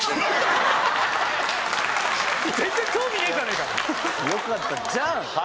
全然興味ねえじゃねえか！